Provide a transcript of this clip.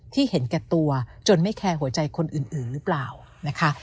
เห็นแก่ตัวจนไม่แคร์หัวใจคนอื่นหรือเปล่านะคะ